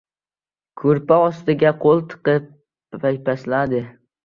Ko‘rpa ostiga qo‘l tiqib paypasladi.